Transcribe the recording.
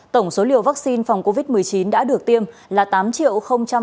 tổng số liều vaccine phòng covid một mươi chín đã được tiêm là tám sáu mươi một một trăm một mươi sáu liều